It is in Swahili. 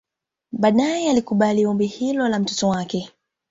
Baadaye alikubali ombi hilo la mtoto wake